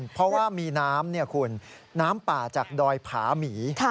เพราะว่ามีน้ำคุณน้ำป่าจากดอยผาหมี